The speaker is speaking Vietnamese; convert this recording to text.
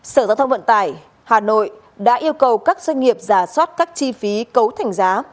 sở giao thông vận tải hà nội đã yêu cầu các doanh nghiệp giả soát các chi phí cấu thành giá